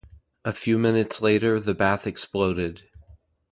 A few minutes later the bath exploded.